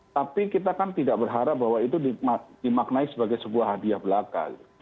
tapi kita kan tidak berharap bahwa itu dimaknai sebagai sebuah hadiah belaka